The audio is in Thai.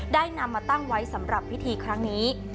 ได้นำมาตั้งไว้สำหรับพิธีครั้งนี้